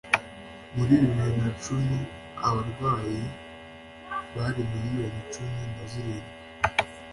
Muri bibiri nacumi abarwayi bari million cumi na zirindwi